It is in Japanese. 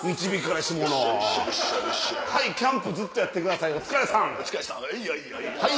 キャンプずっとやってください